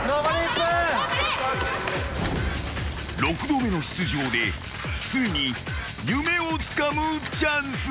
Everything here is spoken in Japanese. ［六度目の出場でついに夢をつかむチャンスだ］